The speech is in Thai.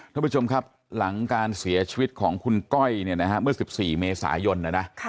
ท่านผู้ชมครับหลังการเสียชีวิตของคุณก้อยเนี่ยนะฮะเมื่อ๑๔เมษายนนะนะ